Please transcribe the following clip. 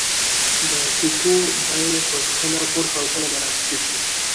د کوکو بیې به کله پورته او کله به راټیټې شوې.